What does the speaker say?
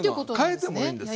変えてもいいんですよ。